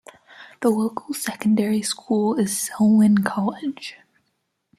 The local secondary school is Selwyn College.